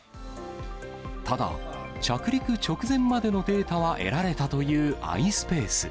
ただ、着陸直前までのデータは得られたというｉｓｐａｃｅ。